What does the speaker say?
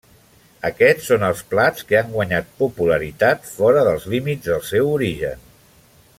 Aquests són els plats que han guanyat popularitat fora dels límits del seu origen.